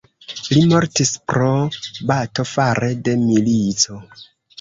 Li mortis pro bato fare de milico.